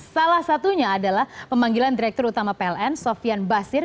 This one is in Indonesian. salah satunya adalah pemanggilan direktur utama pln sofian basir